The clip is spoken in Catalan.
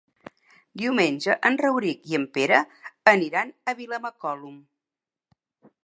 Diumenge en Rauric i en Pere aniran a Vilamacolum.